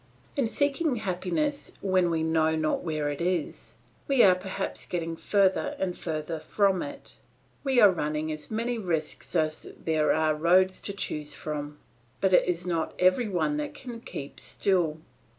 In seeking happiness when we know not where it is, we are perhaps getting further and further from it, we are running as many risks as there are roads to choose from. But it is not every one that can keep still.